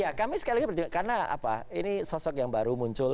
ya kami sekali lagi karena apa ini sosok yang baru muncul